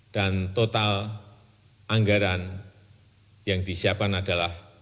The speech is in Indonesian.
dan total anggaran yang disiapkan adalah